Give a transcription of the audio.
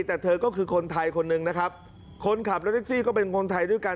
แต่เธอก็คือคนไทยคนหนึ่งนะครับคนขับรถแท็กซี่ก็เป็นคนไทยด้วยกัน